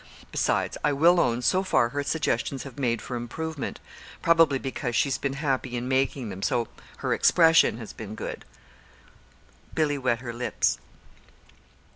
Besides, I will own, so far her suggestions have made for improvement probably because she's been happy in making them, so her expression has been good." Billy wet her lips.